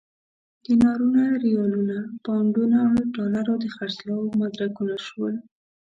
دینارونو، ریالونو، پونډونو او ډالرو د خرڅلاو مدرکونه شول.